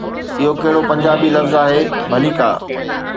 اهو ڪهڙو پنجابي لفظ آهي، ڀليڪا.